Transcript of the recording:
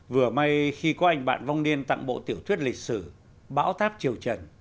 vừa may khi có anh bạn vong niên tặng bộ tiểu thuyết lịch sử bão tháp triều trần